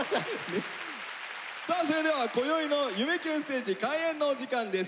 さあそれではこよいの「夢キュンステージ」開演のお時間です。